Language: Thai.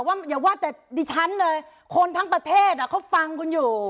อย่าว่าแต่ดิฉันเลยคนทั้งประเทศเขาฟังคุณอยู่